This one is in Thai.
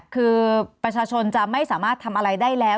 คือประชาชนจะไม่สามารถทำอะไรได้แล้ว